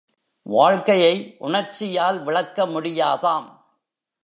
வாழ்க்கையை உணர்ச்சியால் விளக்க முடியாதாம்.